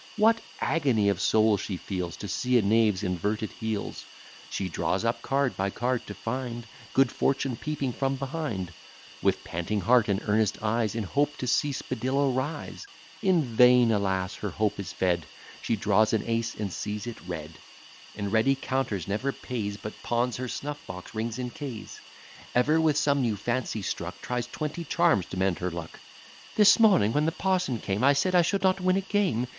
What agony of soul she feels To see a knave's inverted heels! She draws up card by card, to find Good fortune peeping from behind; With panting heart, and earnest eyes, In hope to see spadillo rise; In vain, alas! her hope is fed; She draws an ace, and sees it red; In ready counters never pays, But pawns her snuff box, rings, and keys; Ever with some new fancy struck, Tries twenty charms to mend her luck. "This morning, when the parson came, I said I should not win a game.